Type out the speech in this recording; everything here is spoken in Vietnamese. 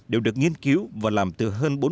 đều được nghiên cứu và làm từ hơn